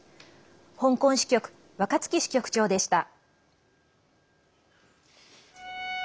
香港支局、若槻支局長でした。